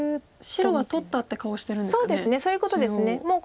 白は取ったって顔をしてるんですかね中央。